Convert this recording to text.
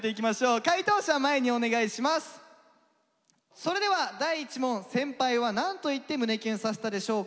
それでは第１問先輩はなんと言って胸キュンさせたでしょうか。